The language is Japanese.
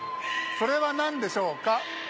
それはなんでしょうか？